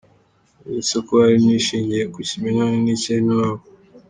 Uretse ko hari n’ishingiye ku kimenyane n’icyenewabo.